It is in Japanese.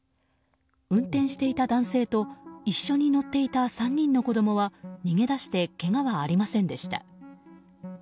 運転していた男性と一緒に乗っていた３人の子供は逃げ出してけがはありませんでした。